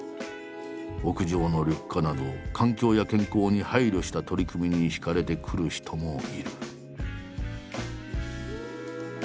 屋上の緑化など環境や健康に配慮した取り組みに惹かれて来る人もいる。